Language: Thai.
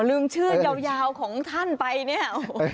ลืมชื่อยาวของท่านไปเนี่ย